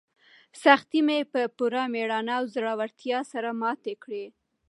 سختۍ مې په پوره مېړانه او زړورتیا سره ماتې کړې.